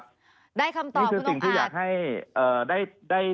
ได้คำตอบคุณองอาจนี่คือสิ่งที่อยากให้ได้คำตอบคุณองอาจ